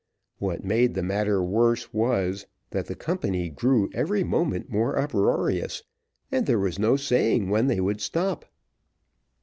What made the matter worse, was, that the company grew every moment more uproarious, and there was no saying when they would stop.